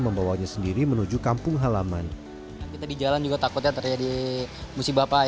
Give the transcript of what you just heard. membawanya sendiri menuju kampung halaman kita di jalan juga takutnya terjadi musibah